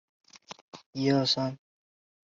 这两个级数的敛散性是一样的。